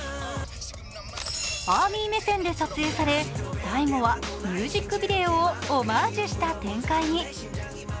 ＡＲＭＹ目線で撮影され、最後はミュージックビデオをオマージュした展開に。